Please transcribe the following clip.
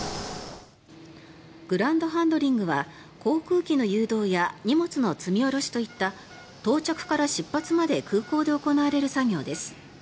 グランドハンドリングは航空機の誘導や荷物の積み下ろしといった到着から出発まで空港で行われる作業です。